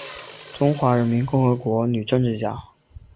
中华人民共和国女政治家。